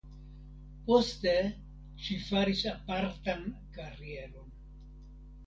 Poste ŝi faris apartan karieron.